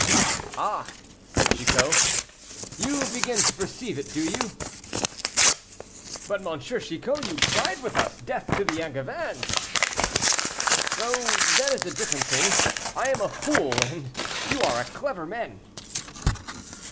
"Ah," said Chicot. "You begin to perceive it, do you?" "But, M. Chicot, you cried with us, 'Death to the Angevins!'" "Oh! that is a different thing; I am a fool, and you are clever men."